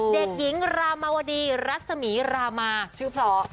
เด็กหญิงรามวดีรัศมีรามาชื่อเพราะ